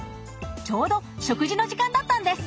ちょうど食事の時間だったんです。